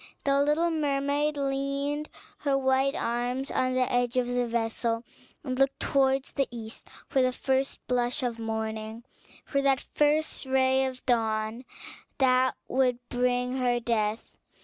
The little mermaid leaned her white arms on the edge of the vessel, and looked towards the east for the first blush of morning, for that first ray of dawn that would bring her death.